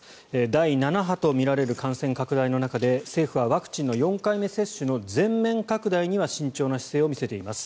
第７波とみられる感染拡大の中で政府はワクチンの４回目接種の全面拡大には慎重な姿勢を見せています。